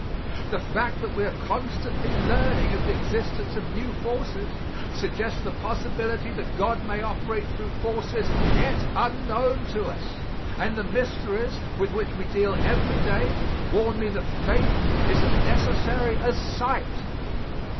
The fact that we are constantly learning of the existence of new forces suggests the possibility that God may operate through forces yet unknown to us, and the mysteries with which we deal every day warn me that faith is as necessary as sight.